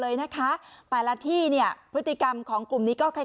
เลยนะคะแต่ละที่เนี่ยพฤติกรรมของกลุ่มนี้ก็คล้าย